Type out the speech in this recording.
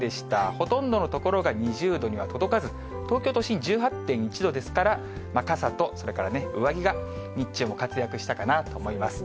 ほとんどの所が２０度には届かず、東京都心１８．１度ですから、傘と、それからね、上着が、日中も活躍したかなと思います。